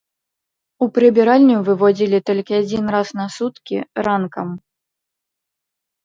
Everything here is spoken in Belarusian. У прыбіральню выводзілі толькі адзін раз на суткі ранкам.